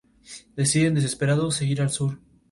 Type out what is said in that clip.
Sus padres eran Emma Lee Foley y John Tompkins Wills.